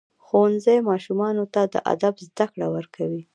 ښوونځی ماشومانو ته د ادب زده کړه ورکوي.